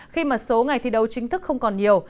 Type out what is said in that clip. khi mà số ngày thi đấu chính thức không còn nhiều